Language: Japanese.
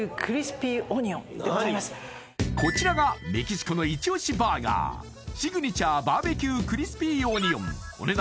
こちらがメキシコのイチ押しバーガーシグニチュア・バーベキュー・クリスピー・オニオンお値段